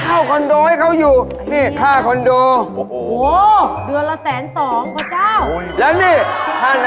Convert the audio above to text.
อย่าเรียกว่าคิกเรียกว่าแฟน